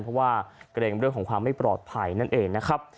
เพราะว่าเกรงเรื่องของความไม่ปลอดภัยนั่นเองนะครับ